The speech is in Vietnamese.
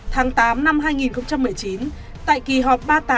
tháng tám năm hai nghìn một mươi chín tại kỳ họp ba mươi tám